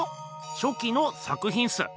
初期の作品っす。